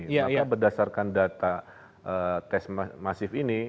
maka berdasarkan data tes masif ini